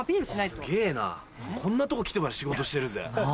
すげぇなこんなとこ来てまで仕事してるぜ。